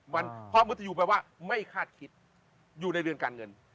เพราะมุติยูแปลว่าไม่คาดคิดอยู่ในเรือนการเงิน